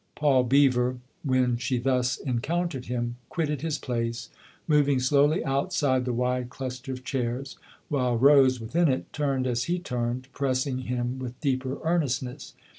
Paul Beever, when she thus encountered him, quitted his place, moving slowly outside the wide cluster of chairs, while Rose, within it, turned as he turned, pressing him with deeper earnestness.